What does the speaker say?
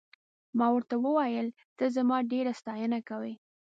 ما ورته وویل ته زما ډېره ستاینه کوې.